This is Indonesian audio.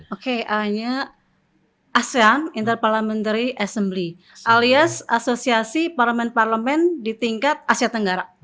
oke a nya asean inter parliamentary assembly alias asosiasi parlemen parlemen di tingkat asia tenggara